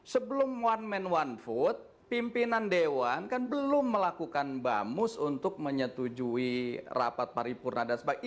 sebelum one man one food pimpinan dewan kan belum melakukan bamus untuk menyetujui rapat paripurna dan sebagainya